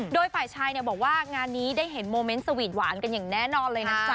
โดยฝ่ายชายบอกว่างานนี้ได้เห็นโมเมนต์สวีทหวานกันอย่างแน่นอนเลยนะจ๊